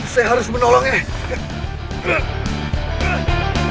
saya harus menolongnya